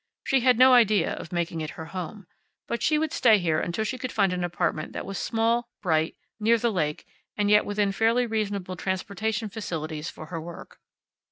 She had no idea of making it her home. But she would stay there until she could find an apartment that was small, bright, near the lake, and yet within fairly reasonable transportation facilities for her work.